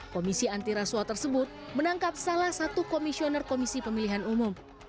komisi anti rasuah tersebut menangkap salah satu komisioner komisi pemilihan umum